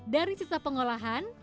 dari sisa pengolahan